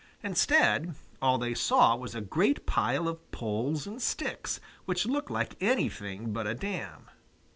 Instead, all they saw was a great pile of poles and sticks which looked like anything but a dam.